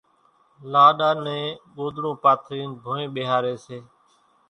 لاڏا نين ڳوۮڙون پاٿرينَ ڀونئين ٻيۿاريَ سي۔